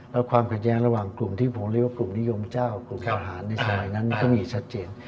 แล้วความขัดแย้งระหว่างกลุ่มที่ผมเรียกว่ากลุ่มนิยมเจ้ากลุ่มทหารในสมัยนั้นก็มีชัดเจน